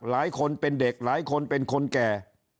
หลายคนเป็นเด็กหลายคนเป็นคนแก่